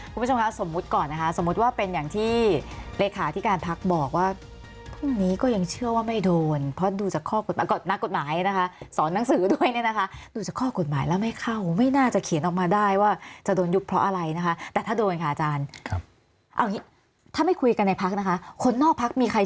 คุณผู้ชมคะสมมุติก่อนนะคะสมมุติว่าเป็นอย่างที่เลขาที่การพักบอกว่าพรุ่งนี้ก็ยังเชื่อว่าไม่โดนเพราะดูจากข้อกฎหมายนักกฎหมายนะคะสอนหนังสือด้วยเนี่ยนะคะดูจากข้อกฎหมายแล้วไม่เข้าไม่น่าจะเขียนออกมาได้ว่าจะโดนยุบเพราะอะไรนะคะแต่ถ้าโดนค่ะอาจารย์ครับเอาอย่างนี้ถ้าไม่คุยกันในพักนะคะคนนอกพักมีใคร